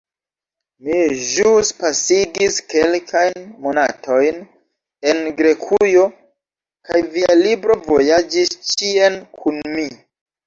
Mi ĵus pasigis kelkajn monatojn en Grekujo, kaj via libro vojaĝis ĉien kun mi.